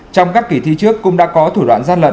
trong các kỳ thi trước cũng đã có thủ đoạn gian lận